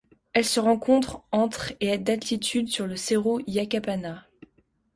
Elle se rencontre entre et d'altitude sur le cerro Yapacana.